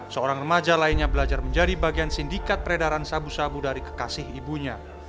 seorang remaja lainnya belajar menjadi bagian sindikat peredaran sabu sabu dari kekasih ibunya